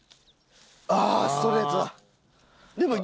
ああストレートだ。